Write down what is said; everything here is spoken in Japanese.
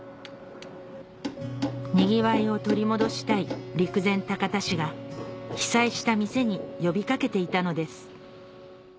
にぎわいを取り戻したい陸前高田市が被災した店に呼び掛けていたのです